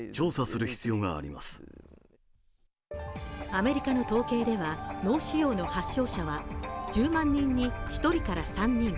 アメリカの統計では脳腫瘍の発症者は１０万人に１人から３人。